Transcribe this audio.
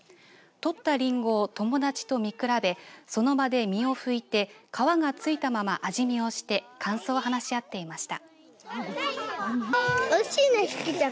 とったリンゴを友達と見比べその場で実を拭いて皮がついたまま味見をして感想を話し合っていました。